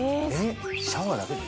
シャワーだけで？